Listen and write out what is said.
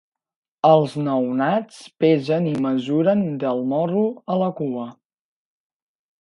Els nounats pesen i mesuren del morro a la cua.